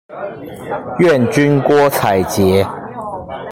願君郭采潔